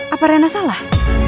apa rena salah